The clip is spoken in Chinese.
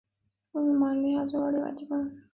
国会是马来西亚最高立法机关。